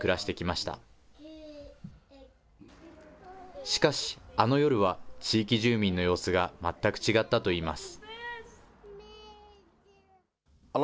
しかし、あの夜は地域住民の様子が全く違ったといいます。